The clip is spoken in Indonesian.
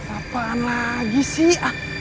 apakan lagi sih